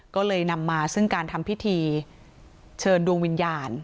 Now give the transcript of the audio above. ก็เลยนำมาซึ่งการทำพิธีเชิญดวงวิญญาณ